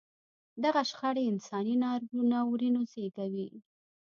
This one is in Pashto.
دغه شخړې انساني ناورینونه زېږوي.